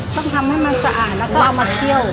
ต้องทำให้มันสะอาดแล้วก็เอามาเคี่ยว